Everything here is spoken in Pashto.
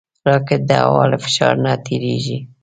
راکټ د هوا له فشار نه تېریږي